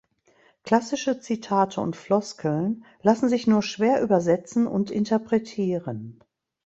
Klassische Zitate und Floskeln lassen sich nur schwer übersetzen und interpretieren.